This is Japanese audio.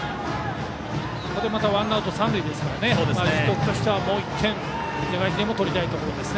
これでまたワンアウト、三塁ですから樹徳としては、もう１点是が非でも取りたいところです。